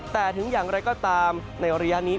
แต่ถึงอย่างไรก็ตามในระยะนี้